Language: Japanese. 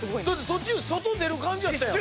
途中外出る感じやったやん。